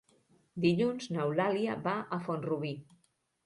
Dilluns n'Eulàlia va a Font-rubí.